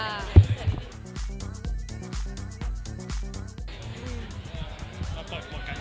อะไรจริง